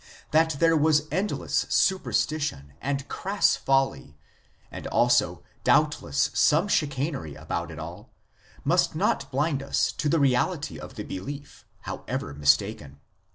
That there was endless superstition and crass folly, and also doubt less some chicanery about it all, must not blind us to the reality of the belief, however mistaken.